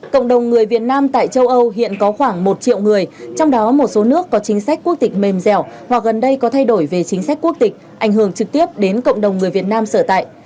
cộng đồng người việt nam tại châu âu hiện có khoảng một triệu người trong đó một số nước có chính sách quốc tịch mềm dẻo hoặc gần đây có thay đổi về chính sách quốc tịch ảnh hưởng trực tiếp đến cộng đồng người việt nam sở tại